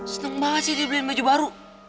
seneng banget sih dia beliin baju baru